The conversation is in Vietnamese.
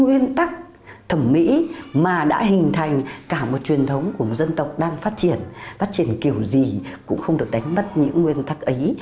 nguyên tắc thẩm mỹ mà đã hình thành cả một truyền thống của một dân tộc đang phát triển phát triển kiểu gì cũng không được đánh mất những nguyên tắc ấy